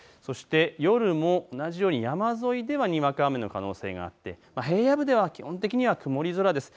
夜も同じように山沿いではにわか雨の可能性があって平野部では基本的には曇り空です。